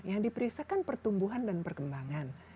yang diperiksakan pertumbuhan dan perkembangan